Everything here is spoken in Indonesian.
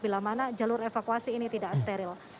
bila mana jalur evakuasi ini tidak steril